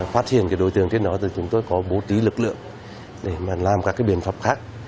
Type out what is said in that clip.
phát hiện cái đối tượng trên đó thì chúng tôi có bố trí lực lượng để làm các biện pháp khác